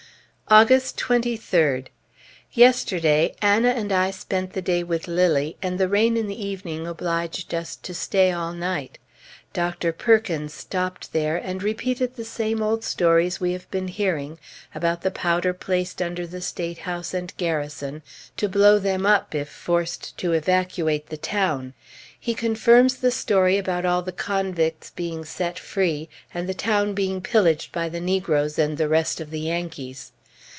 August 23d. Yesterday Anna and I spent the day with Lilly, and the rain in the evening obliged us to stay all night. Dr. Perkins stopped there, and repeated the same old stories we have been hearing, about the powder placed under the State House and Garrison, to blow them up, if forced to evacuate the town. He confirms the story about all the convicts being set free, and the town being pillaged by the negroes and the rest of the Yankees.